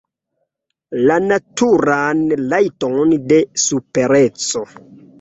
La naturan rajton de supereco.